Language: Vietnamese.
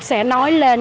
sẽ nói lên